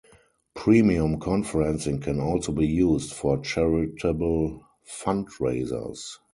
Premium conferencing can also be used for charitable fundraisers.